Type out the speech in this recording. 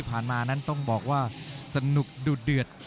รับทราบบรรดาศักดิ์